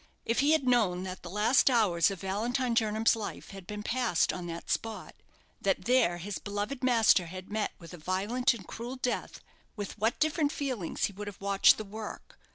If he had known that the last hours of Valentine Jernam's life had been passed on that spot, that there his beloved master had met with a violent and cruel death, with what different feelings he would have watched the work!